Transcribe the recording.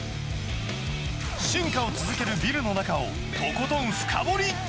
進化を続けるビルの中をとことん深掘り！